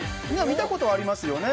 見たことはありますよね